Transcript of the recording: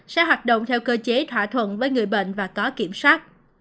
sẽ hoạt động theo cơ chế thỏa thuận với người bệnh và có kiểm soát